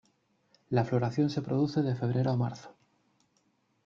La floración se produce de febrero a marzo.